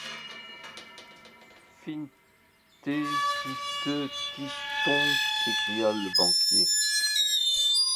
Finte-sinte! tis tonc, s’écria le banquier.